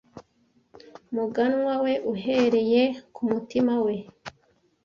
muganwa we uhereye kumutima we